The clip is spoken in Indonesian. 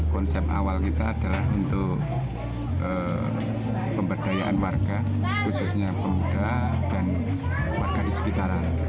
konsep awal kita adalah untuk pemberdayaan warga khususnya pemuda dan warga di sekitaran